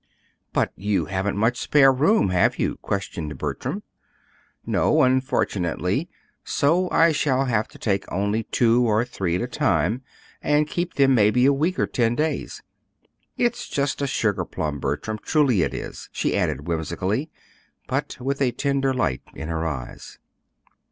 "But you haven't much spare room; have you?" questioned Bertram. "No, unfortunately; so I shall have to take only two or three at a time, and keep them maybe a week or ten days. It's just a sugar plum, Bertram. Truly it is," she added whimsically, but with a tender light in her eyes.